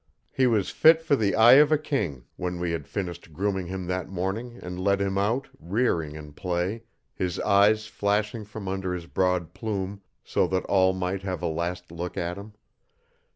He was fit for the eye of a king when we had finished grooming him, that morning, and led him out, rearing in play, his eyes flashing from under his broad plume, so that all might have a last look at him.